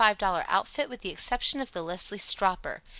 00 outfit with the exception of the Leslie stropper.